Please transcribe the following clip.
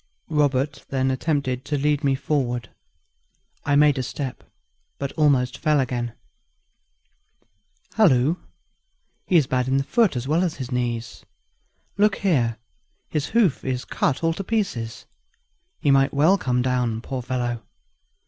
Robert then attempted to lead me forward. I made a step, but almost fell again. "Halloo! he's bad in his foot as well as his knees. Look here his hoof is cut all to pieces; he might well come down, poor fellow!